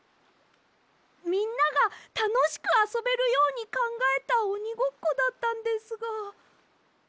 みんながたのしくあそべるようにかんがえたおにごっこだったんですが。